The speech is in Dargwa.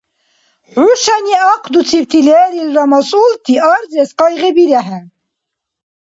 ХӀушани ахъдуцибти лерилра масъулти арзес къайгъибирехӀе.